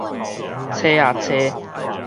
揣啊揣